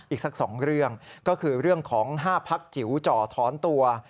อีกสัก๒เรื่องก็คือเรื่องของ๕พักจิ๋วจ่อถอนตัว